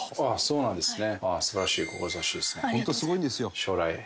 そうなんですね。